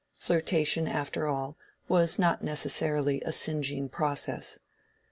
Flirtation, after all, was not necessarily a singeing process.